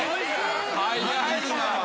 早いな。